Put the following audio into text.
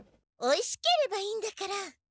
おいしければいいんだから。